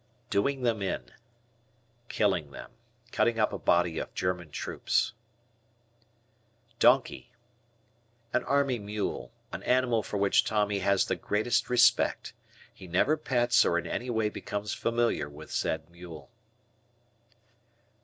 "Doing them in." Killing them. Cutting up a body of German troops. Donkey. An army mule. An animal for which Tommy has the greatest respect. He never pets or in any way becomes familiar with said mule.